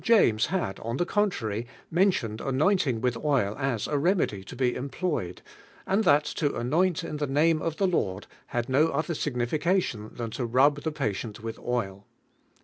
fames had, on the contrary, mentioned anointing with oil as a remedy to be employed, and that to anoint in the name of the Lord had no other signification than to rub the pat ient with oil.